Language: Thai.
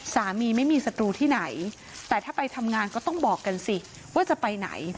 สามีไม่มีศัตรูที่ไหนแต่ถ้าไปทำงานก็ต้องบอกกันสิว่าจะไปไหน